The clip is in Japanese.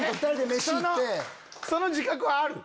その自覚はあるの？